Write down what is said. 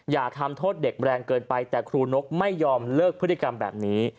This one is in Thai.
อย่าทำโทษเด็กแรงเกินไปแต่ครูนกไม่ยอมเลิกพฤติกรรมแบบนี้